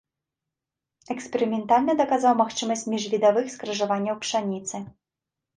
Эксперыментальна даказаў магчымасць міжвідавых скрыжаванняў пшаніцы.